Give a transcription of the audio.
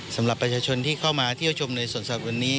สำหรับประชาชนที่เข้ามาเที่ยวชมในสวนสัตว์วันนี้